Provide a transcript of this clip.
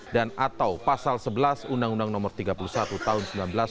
dan atau pasal sebelas undang undang nomor tiga puluh satu tahun seribu sembilan ratus sembilan puluh sembilan